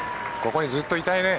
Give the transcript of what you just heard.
ここにずっといたいね。